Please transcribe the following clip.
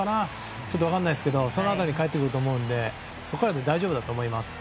ちょっと分からないですけどその辺りに帰ってくると思うのでそこら辺で大丈夫だと思います。